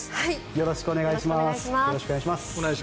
よろしくお願いします。